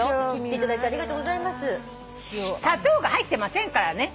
砂糖が入ってませんからね。